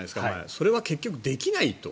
それは結局できないと。